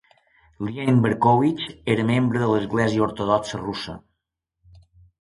Liane Berkowitz era membre de l'Església ortodoxa russa.